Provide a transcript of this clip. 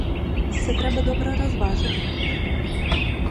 Це треба добре розважити!